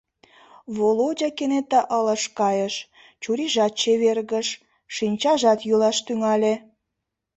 Володя кенета ылыж кайыш, чурийжат чевергыш, шинчажат йӱлаш тӱҥале.